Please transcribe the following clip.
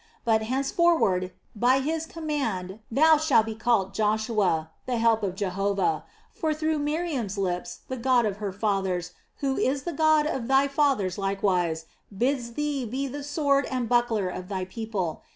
But henceforward, by His command, thou shalt be called Joshua, [Jehoshua, he who helps Jehova] the help of Jehovah; for through Miriam's lips the God of her fathers, who is the God of thy fathers likewise, bids thee be the sword and buckler of thy people.